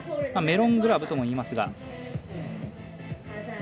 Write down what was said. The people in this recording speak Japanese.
メロングラブともいいますが。